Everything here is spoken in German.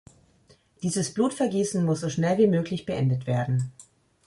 Dieses Blutvergießen muss so schnell wie möglich beendet werden!